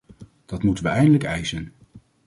Dat moeten we eindelijk eisen.